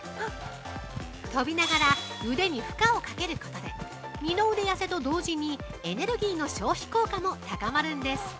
跳びながら腕に負荷をかけることで二の腕痩せと同時にエネルギーの消費効果も高まるんです。